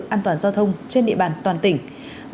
an toàn giao thông trên địa bàn toàn tỉnh